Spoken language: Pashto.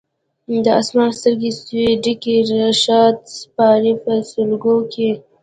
د اسمان سترګي سوې ډکي رشاد سپاري په سلګو کي